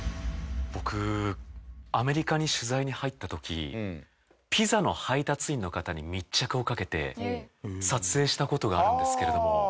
僕アメリカに取材に入った時ピザの配達員の方に密着をかけて撮影した事があるんですけれども。